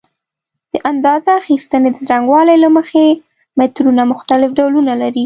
د اندازه اخیستنې د څرنګوالي له مخې مترونه مختلف ډولونه لري.